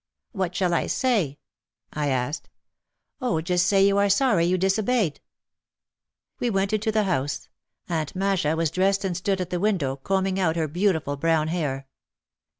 "What shall I say?" I asked. "Oh, just say you are sorry you disobeyed." We went into the house. Aunt Masha was dressed and stood at the window, combing out her beautiful brown hair.